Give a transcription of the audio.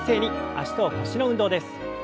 脚と腰の運動です。